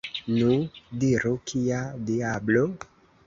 Nu, diru, kia diablo?